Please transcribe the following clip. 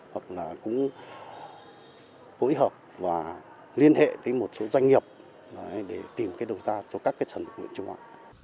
hội hợp và liên hệ với một số doanh nghiệp để tìm cái đầu da cho các cái trần lực nguyện chung hoa